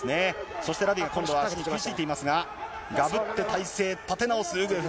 そしてラビが今度は食いついていますが、がぶって体勢立て直す、ウグエフ。